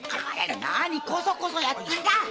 何コソコソやってんだ？